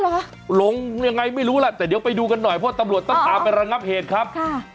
หรอกลงไงไม่รู้ท่านเดี๋ยวไปดูหน่อยพวกตำรวจต่างก็รับเหตุครับ